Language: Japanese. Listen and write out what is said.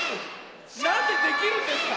なんでできるんですか？